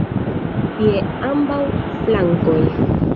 Je ambaŭ flankoj!